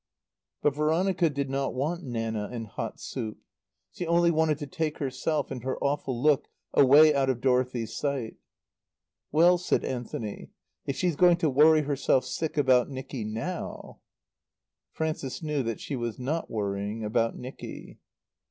But Veronica did not want Nanna and hot soup. She only wanted to take herself and her awful look away out of Dorothy's sight. "Well," said Anthony, "if she's going to worry herself sick about Nicky now " Frances knew that she was not worrying about Nicky.